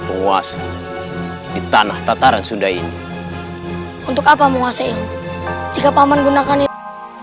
kau tidak akan mengkhianati guruku sendiri